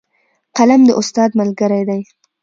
قلم د استاد ملګری دی